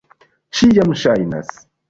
Ĉiam ŝajnas.